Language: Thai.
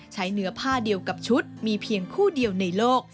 เนื้อผ้าเดียวกับชุดมีเพียงคู่เดียวในโลก